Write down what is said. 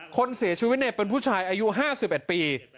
คนเสียชีวิตเน็ตเป็นผู้ใช่อายุ๕๐ปี